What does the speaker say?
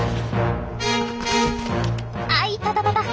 あいたたた！